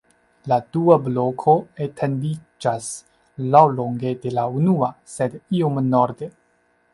La dua bloko etendiĝas laŭlonge de la unua, sed iom norde.